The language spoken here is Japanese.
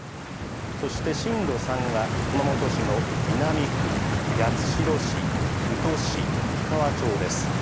そして震度３が熊本市の南区、八代市、宇土市、氷川町です。